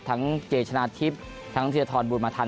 ทั้งเจชนะทิพย์ทั้งธีรฐรบุรมาธรรม